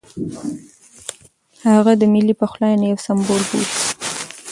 هغه د ملي پخلاینې یو سمبول بولي.